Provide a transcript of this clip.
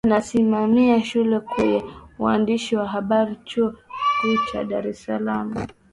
anasimamia shule kuu ya uandishi wa habari ya chuo kikuu cha dar es salaam